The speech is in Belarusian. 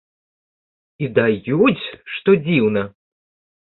І даюць, што дзіўна.